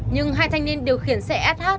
nhưng hai thanh niên điều khiển xe sh